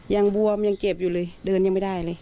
บวมยังเจ็บอยู่เลยเดินยังไม่ได้เลย